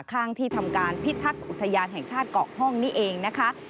ข้างที่ทำการพิทักษ์อุทยานแห่งชาติเกาะห้องนี่เองนะคะ